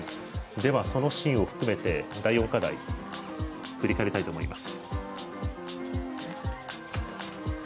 ではそのシーンを含めて第４課題振り返りたいと思います。